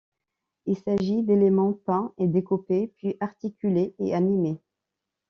Il s'agit d’éléments peints et découpés puis articulés et animés.